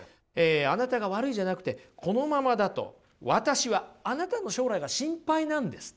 あなたが悪いじゃなくてこのままだと私はあなたの将来が心配なんです。